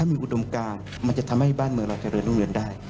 ถ้ามีอุดมการมันจะทำให้บ้านเมืองราชแข่งเรือนล่วงเงินได้